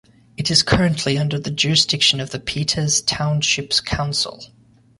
It is currently under the jurisdiction of the Peters Township Council.